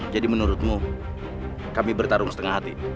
jadi menurutmu kami bertarung setengah hati